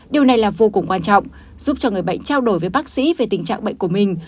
điều này là vô cùng quan trọng giúp cho người bệnh trao đổi với bác sĩ về tình trạng bệnh của mình